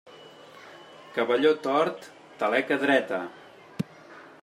Cavalló tort, taleca dreta.